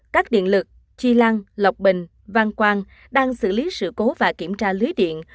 các điện lực chi lan lọc bình văn quang đang xử lý sự cố và kiểm tra lưới điện